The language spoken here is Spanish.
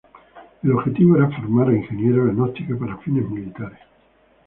El objetivo era formar a ingenieros en óptica para fines militares.